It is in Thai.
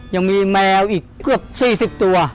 ยังมีแมวอีกเกือบ๔๐ตัว